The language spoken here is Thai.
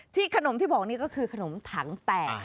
ขนมที่บอกนี่ก็คือขนมถังแตก